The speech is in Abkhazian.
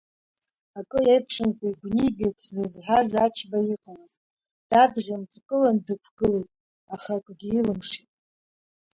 Акы еиԥшымкәа игәнигеит сзызҳәаз Ачба иҟалаз, дадхьымӡӷкылан дықәгылеит, аха акгьы илымшеит.